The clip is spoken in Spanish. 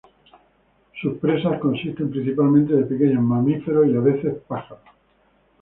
Sus presas consisten principalmente de pequeños mamíferos y a veces pájaros.